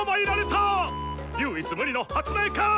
唯一無二の発明家！